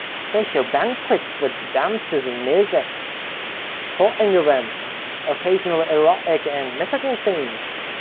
They show banquets with dances and music, sporting events, occasional erotic and mythical scenes.